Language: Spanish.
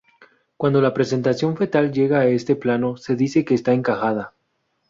Cuando la presentación fetal llega a este plano se dice que está encajada.